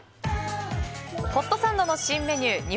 ホットサンドの新メニュー